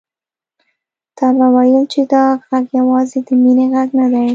تا به ويل چې دا غږ يوازې د مينې غږ نه دی.